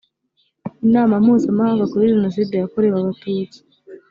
inama mpuzamahanga kuri jenoside yakorewe abatutsi